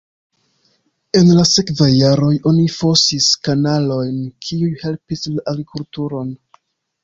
En la sekvaj jaroj oni fosis kanalojn, kiuj helpis la agrikulturon.